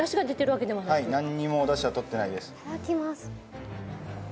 なんにもダシは取ってないです。